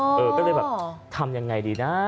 เออก็เลยแบบทำยังไงดีนะ